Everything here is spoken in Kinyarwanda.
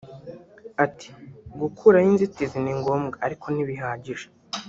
Ati “Gukuraho inzitizi ni ngombwa ariko ntibihagije